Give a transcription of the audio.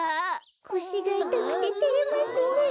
こしがいたくててれますねえ。